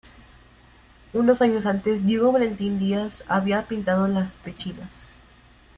Unos años antes Diego Valentín Díaz había pintado las pechinas.